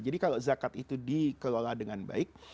jadi kalau zakat itu dikelola dengan baik